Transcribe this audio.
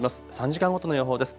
３時間ごとの予報です。